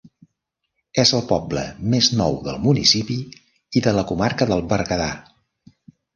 És el poble més nou del municipi i de la comarca del Berguedà.